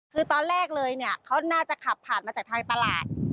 คือตอนแรกเลยเนี่ยเขาน่าจะขับผ่านมาจากทางตลาด